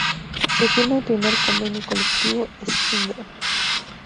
Se firma el primer Convenio Colectivo Sprinter.